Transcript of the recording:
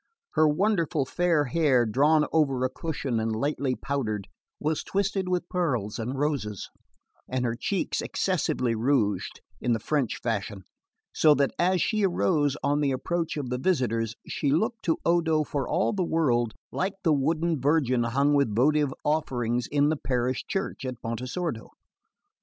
Her wonderful fair hair, drawn over a cushion and lightly powdered, was twisted with pearls and roses, and her cheeks excessively rouged, in the French fashion; so that as she arose on the approach of the visitors she looked to Odo for all the world like the wooden Virgin hung with votive offerings in the parish church at Pontesordo.